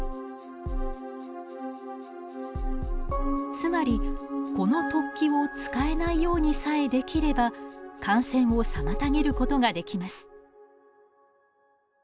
つまりこの突起を使えないようにさえできれば感染を妨げることができます。